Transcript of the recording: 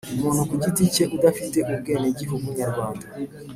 umuntu ku giti cye udafite ubwenegihugu nyarwanda